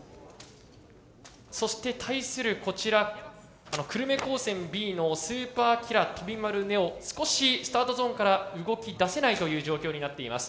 そして対するこちら久留米高専Ｂの「スーパー☆飛翔丸ＮＥＯ」少しスタートゾーンから動きだせないという状況になっています。